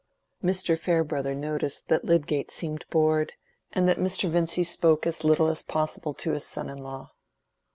Mr. Farebrother noticed that Lydgate seemed bored, and that Mr. Vincy spoke as little as possible to his son in law.